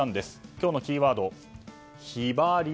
今日のキーワードヒバリ。